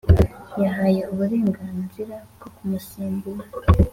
Yahaye uburenganzira bwo kumusimbura